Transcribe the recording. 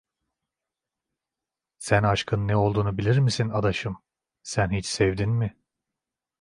Sen aşkın ne olduğunu bilir misin adaşım, sen hiç sevdin mi?